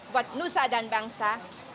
buat nusa dan bangsa